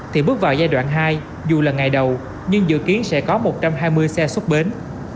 thì bước vào giai đoạn hai dù là ngày đầu nhưng dự kiến sẽ có một trăm hai mươi xe xuất bến